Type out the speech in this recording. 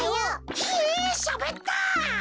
ひえしゃべった！